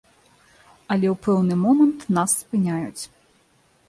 Але ў пэўны момант нас спыняюць.